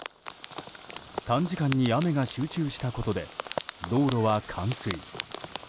短時間に雨が集中したことで道路は冠水。